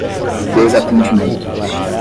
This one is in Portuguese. desatendimento